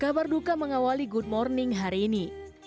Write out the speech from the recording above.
kabar duka mengawali good morning hari ini